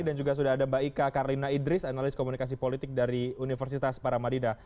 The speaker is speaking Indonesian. juga sudah ada mbak ika karlina idris analis komunikasi politik dari universitas paramadida